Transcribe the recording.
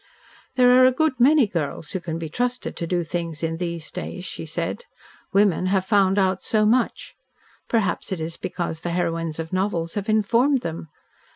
"There are a good many girls who can be trusted to do things in these days," she said. "Women have found out so much. Perhaps it is because the heroines of novels have informed them.